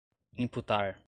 imputar